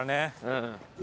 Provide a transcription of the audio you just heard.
うん。